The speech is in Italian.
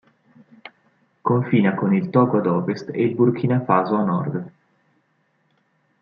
Confina con il Togo ad ovest e il Burkina Faso a nord.